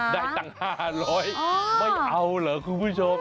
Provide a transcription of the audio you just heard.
ได้ตั้ง๕๐๐ไม่เอาเหรอคุณผู้ชม